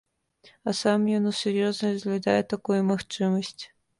А сам ён усур'ёз разглядае такую магчымасць.